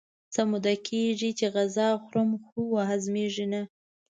څه موده کېږي چې غذا خورم خو نه هضمېږي.